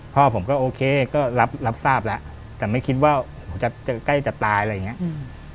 พ่อผมก็โอเคก็รับทราบแล้วแต่ไม่คิดว่าใกล้จะตายอะไรอย่างนี้